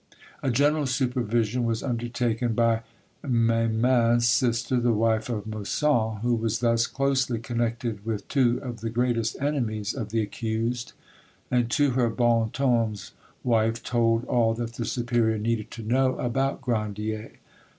A general supervision was undertaken by Memin's sister, the wife of Moussant, who was thus closely connected with two of the greatest enemies of the accused, and to her Bontems' wife told all that the superior needed to know about Grandier.